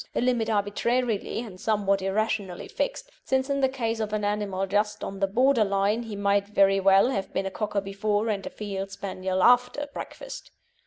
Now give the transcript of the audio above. a limit arbitrarily and somewhat irrationally fixed, since in the case of an animal just on the border line he might very well have been a Cocker before and a Field Spaniel after breakfast.